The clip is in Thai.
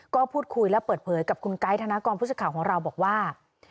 ก็พูดคุยและเปิดเผยกับคุณไกด์ธนากรผู้สื่อข่าวของเราบอกว่า